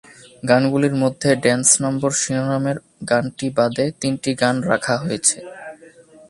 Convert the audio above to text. গানগুলির মধ্যে 'dance number' শিরোনামের গানটি বাদে তিনটি গান রাখা হয়েছে।